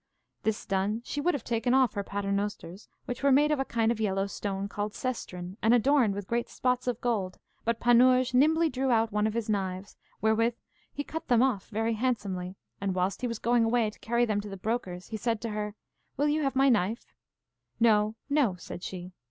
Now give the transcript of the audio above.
This done, she would have taken off her paternosters, which were made of a kind of yellow stone called cestrin, and adorned with great spots of gold, but Panurge nimbly drew out one of his knives, wherewith he cut them off very handsomely, and whilst he was going away to carry them to the brokers, he said to her, Will you have my knife? No, no, said she.